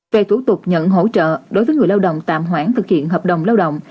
về thủ tục nhận hỗ trợ đối với người lao động tạm hoãn thực hiện hợp đồng lao động